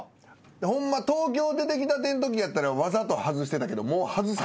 ホンマ東京出てきたてのときやったらわざと外してたけど。